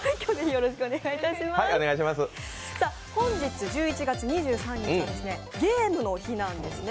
本日１１月２３日はゲームの日なんですね。